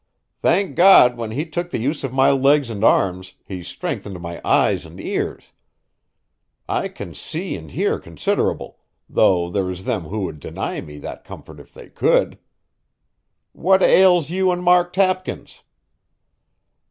Thank God! when He took the use of my legs an' arms, He strengthened my eyes an' ears. I can see an' hear considerable, though there is them who would deny me that comfort if they could. What ails you an' Mark Tapkins?"